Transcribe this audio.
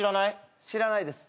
知らないです。